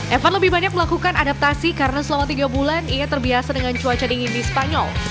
evan lebih banyak melakukan adaptasi karena selama tiga bulan ia terbiasa dengan cuaca dingin di spanyol